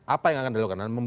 apa yang akan dilakukan